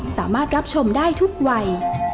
สามารถรับชมได้ทุกวัย